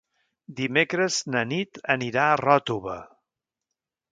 Dimecres na Nit anirà a Ròtova.